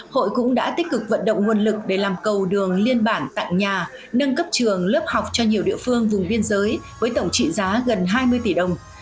hội cũng đã tích cực vận động nguồn lực để làm cầu đường liên bản tặng nhà nâng cấp trường lớp học cho nhiều địa phương vùng biên giới với tổng trị giá gần hai mươi tỷ đồng